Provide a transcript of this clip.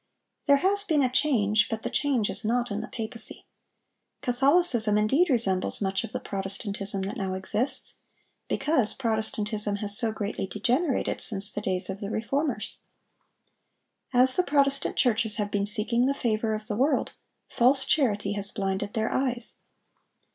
There has been a change; but the change is not in the papacy. Catholicism indeed resembles much of the Protestantism that now exists; because Protestantism has so greatly degenerated since the days of the Reformers. As the Protestant churches have been seeking the favor of the world, false charity has blinded their eyes.